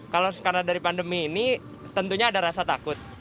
kalau karena dari pandemi ini tentunya ada rasa takut